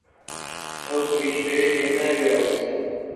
ئەو فریشتەیە هێناویە ئەوسا